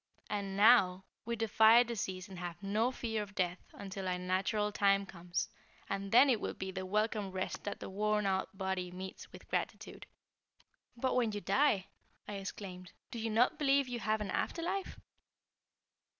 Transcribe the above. And now, we defy disease and have no fear of death until our natural time comes, and then it will be the welcome rest that the worn out body meets with gratitude." "But when you die," I exclaimed, "do you not believe you have an after life?"